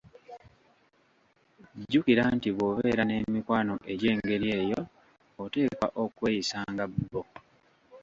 "Jjukira nti bw'obeera n'emikwano egyengeri eyo, oteekwa okweyisa nga bo."